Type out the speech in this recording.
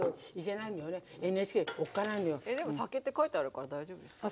えっでも酒って書いてあるから大丈夫ですよ。